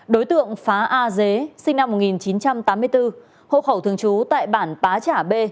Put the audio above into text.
đối tượng phá a dế sinh năm một nghìn chín trăm tám mươi bốn hộ khẩu thường trú tại bản bá trả bê